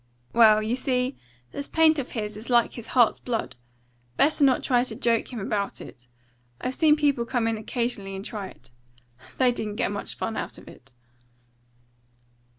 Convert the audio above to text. Well, you see, this paint of his is like his heart's blood. Better not try to joke him about it. I've seen people come in occasionally and try it. They didn't get much fun out of it."